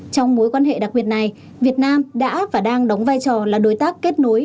trong mối quan hệ đặc biệt này việt nam đã và đang đóng vai trò là đối tác kết nối